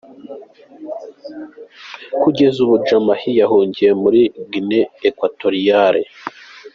Kugeza ubu Jammeh yahungiye muri Guinéa Equatoriale.